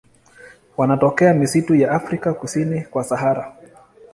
Wanatokea misitu ya Afrika kusini kwa Sahara.